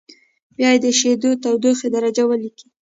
بیا د اېشېدو تودوخې درجه ولیکئ.